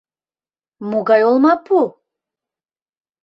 — Могай олмапу?